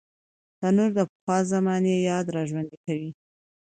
تنور د پخوا زمانې یاد راژوندي کوي